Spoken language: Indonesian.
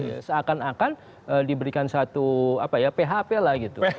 kita akan akan diberikan satu php lah gitu